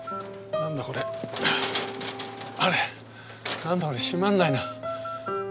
何だこれ閉まんないな。